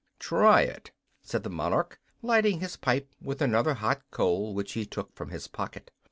"Try it," said the monarch, lighting his pipe with another hot coal which he took from his pocket.